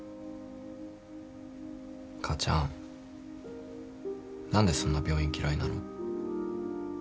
母ちゃん何でそんな病院嫌いなの？